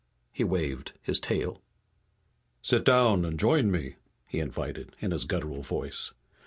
He waved his tail. "Sit down and join me," he invited, in his guttural voice.